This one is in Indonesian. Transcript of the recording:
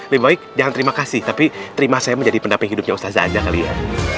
lebih baik jangan terima kasih tapi terima saya menjadi pendamping hidupnya ustazah anda kali ya